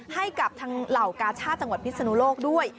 ให้กับทางเหล่ากาชาติจังหวัดพิศนุโลกด้วย